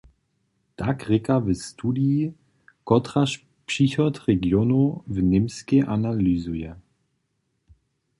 Tak rěka w studiji, kotraž přichod regionow w Němskej analyzuje.